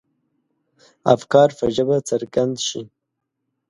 افکار په ژبه څرګند شي.